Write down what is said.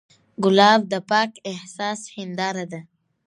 ګلاب د پاک احساس هنداره ده.